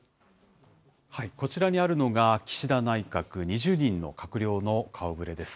こちらにあるのが、岸田内閣２０人の閣僚の顔ぶれです。